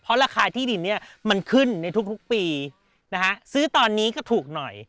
เพราะราคาที่ดินเนี่ยมันขึ้นในทุกปีนะฮะซื้อตอนนี้ก็ถูกหน่อย